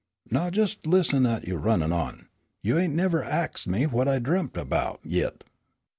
"Now jes' listen at you runnin' on. You ain't never axed me what I dremp 'bout yit."